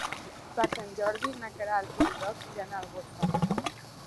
Per Sant Jordi na Queralt i en Roc iran a Algorfa.